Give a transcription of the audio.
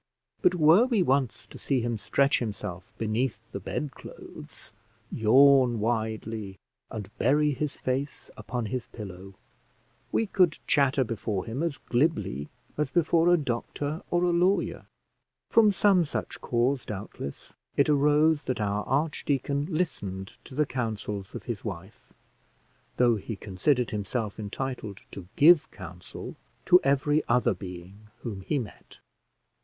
But were we once to see him stretch himself beneath the bed clothes, yawn widely, and bury his face upon his pillow, we could chatter before him as glibly as before a doctor or a lawyer. From some such cause, doubtless, it arose that our archdeacon listened to the counsels of his wife, though he considered himself entitled to give counsel to every other being whom he met.